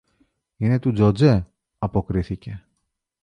Είναι του Τζοτζέ, αποκρίθηκε.